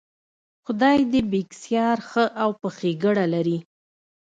خدای دې بېکسیار ښه او په ښېګړه لري.